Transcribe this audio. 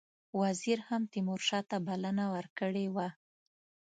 وزیر هم تیمورشاه ته بلنه ورکړې وه.